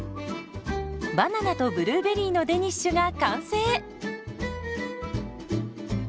バナナとブルーベリーのデニッシュが完成。